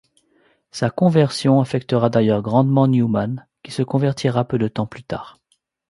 Sa conversion affectera d'ailleurs grandement Newman, qui se convertira peu de temps plus tard.